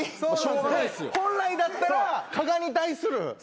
本来だったら加賀に対する。